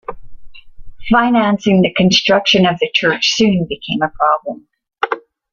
Financing the construction of the church soon became a problem.